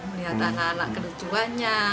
melihat anak anak kerucuannya